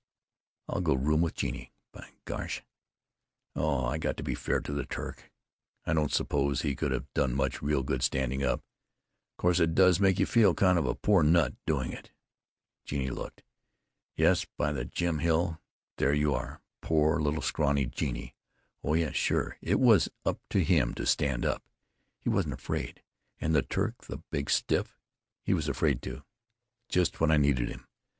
I'll go room with Genie. By gosh——Oh, I got to be fair to the Turk. I don't suppose he could have done much real good standing up. Course it does make you feel kind of a poor nut, doing it. Genie looked——Yes, by the Jim Hill! there you are. Poor little scrawny Genie—oh yes, sure, it was up to him to stand up. He wasn't afraid. And the Turk, the big stiff, he was afraid to.... Just when I needed him.